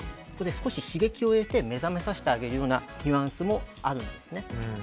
少し刺激を得て目覚めさせてあげるようなニュアンスもあるんです。